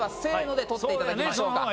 で取っていただきましょうか。